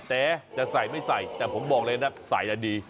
แต่จะใส่ไม่ใส่แต่ผมบอกเลยนะใส่แล้วดี